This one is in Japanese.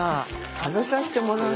食べさせてもらう。